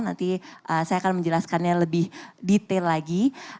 nanti saya akan menjelaskannya lebih detail lagi